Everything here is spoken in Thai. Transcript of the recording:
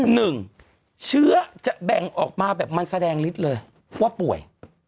หนึ่งเชื้อจะแบ่งออกมาแบบมันแสดงนิดเลย